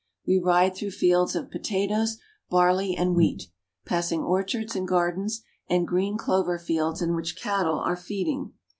We ride through fields of potatoes, barley, and wheat, passing orchards and gar dens, and green clover fields in which cattle are feeding.